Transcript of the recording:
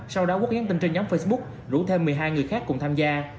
sau đó quốc nhắn tin trên nhóm facebook rủ thêm một mươi hai người khác cùng tham gia